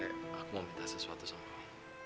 rek aku mau minta sesuatu sama kamu